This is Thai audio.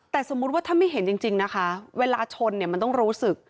แต่สมมุติว่าถ้าไม่เห็นจริงนะคะเวลาชนเนี่ยมันต้องรู้สึก